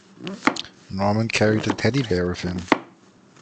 Norman carried a teddy bear with him.